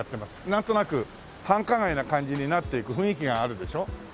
なんとなく繁華街な感じになっていく雰囲気があるでしょ。